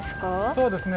そうですね